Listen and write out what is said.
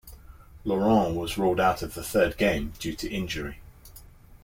Laurent was ruled out of the third game due to injury.